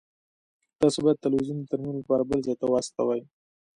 تاسو باید تلویزیون د ترمیم لپاره بل ځای ته واستوئ